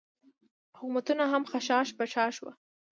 حکومتونه هم خشاش بشاش وو.